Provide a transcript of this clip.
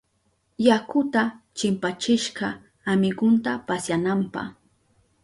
Yakuta chimpachishka amigunta pasyananpa.